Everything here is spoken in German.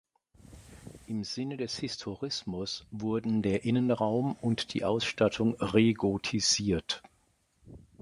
Im Sinne des Historismus wurden der Innenraum und die Ausstattung regotisiert.